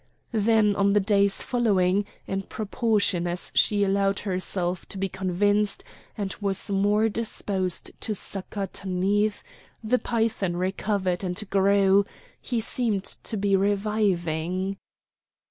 Then on the days following, in proportion as she allowed herself to be convinced, and was more disposed to succour Tanith, the python recovered and grew; he seemed to be reviving.